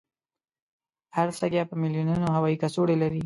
هر سږی په میلونونو هوایي کڅوړې لري.